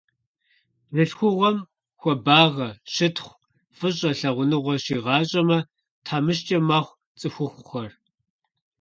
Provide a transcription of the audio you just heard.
Бзылъхугъэм хуабагъэ, щытхъу, фӀыщӀэ, лъагъуныгъэ щигъащӀэмэ, тхьэмыщкӀэ мэхъу цӏыхухъухэр.